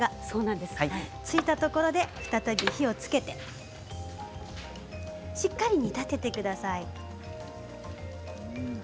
そこで再び火をつけてしっかり煮立ててください。